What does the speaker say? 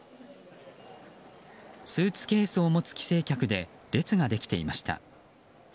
スーツケースを持つ帰省客で列ができていました。